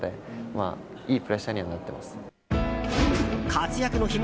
活躍の秘密